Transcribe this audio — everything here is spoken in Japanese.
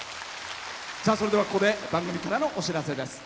それでは、ここで番組からのお知らせです。